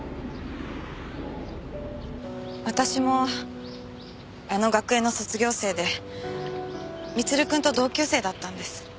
私もあの学園の卒業生で光留くんと同級生だったんです。